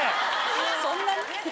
そんなに？